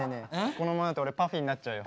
このままだと俺ＰＵＦＦＹになっちゃうよ。